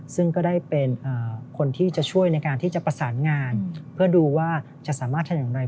ซึ่งก็ได้เป็นคนที่จะช่วยในการที่จะประสานงานเพื่อดูว่าจะสามารถทำอย่างไร